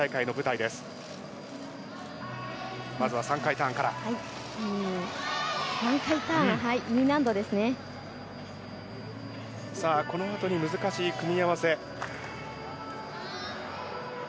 このあとに難しい組み合わせ。